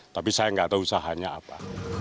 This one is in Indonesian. tapi saya nggak tahu usahanya apa